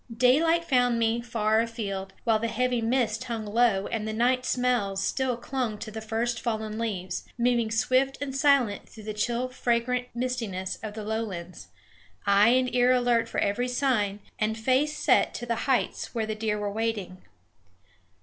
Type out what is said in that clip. Daylight found me far afield, while the heavy mists hung low and the night smells still clung to the first fallen leaves, moving swift and silent through the chill fragrant mistiness of the lowlands, eye and ear alert for every sign, and face set to the heights where the deer were waiting.